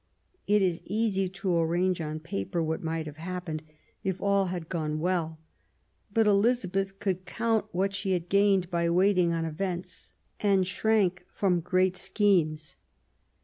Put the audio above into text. It is easy to arrange on paper what might have happened, if all had gone well. But Elizabeth could count what she had gained by waiting on events, and shrunk from great schemes.